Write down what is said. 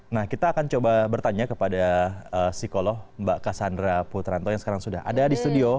nah kita akan coba bertanya kepada psikolog mbak cassandra putranto yang sekarang sudah ada di studio